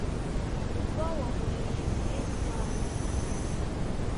ubwo uwo muntu yinjiye iwanjye